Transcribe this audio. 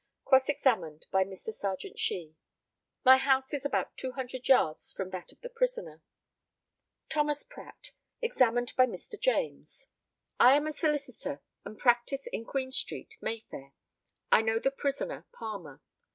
Cross examined by Mr. Serjeant SHEE: My house is about 200 yards from that of the prisoner. THOMAS PRATT, examined by Mr. JAMES: I am a solicitor, and practise in Queen street, Mayfair. I know the prisoner Palmer.